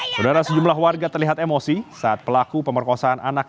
saudara sejumlah warga terlihat emosi saat pelaku pemerkosaan anak